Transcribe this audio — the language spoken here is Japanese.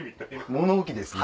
物置ですね。